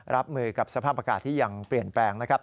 รับมือกับสภาพอากาศที่ยังเปลี่ยนแปลงนะครับ